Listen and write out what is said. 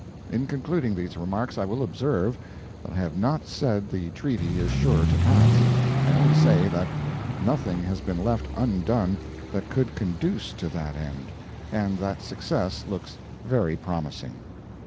In concluding these remarks I will observe that I have not said the treaty is sure to pass; I only say that nothing has been left undone that could conduce to that end, and that success looks very promising.